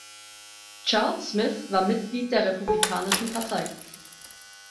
Charles Smith war Mitglied der Republikanischen Partei.